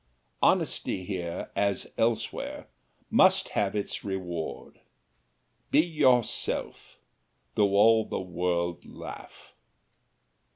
Honesty here, as elsewhere, must have its reward. Be yourself, though all the world laugh.